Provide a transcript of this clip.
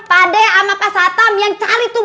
pak adam sama pak satam yang cari tuh